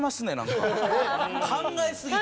考えすぎて。